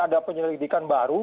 ada penyelidikan baru